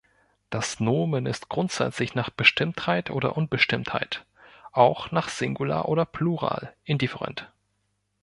Das Nomen ist grundsätzlich nach Bestimmtheit oder Unbestimmtheit, auch nach Singular oder Plural indifferent.